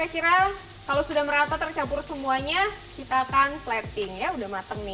oke kira kira kalau sudah merata tercampur semuanya kita akan plating ya sudah mateng nih